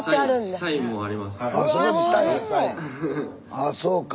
ああそうか。